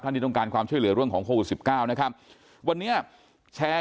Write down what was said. ที่ต้องการความช่วยเหลือเรื่องของโควิดสิบเก้านะครับวันนี้แชร์